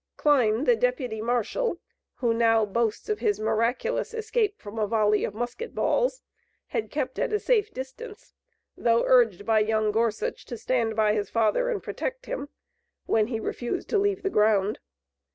Kline, the deputy marshal, who now boasts of his miraculous escape from a volley of musket balls, had kept at a safe distance, though urged by young Gorsuch to stand by his father and protect him, when he refused to leave the ground.